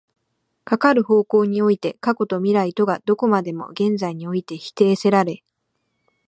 かかる方向において過去と未来とがどこまでも現在において否定せられ、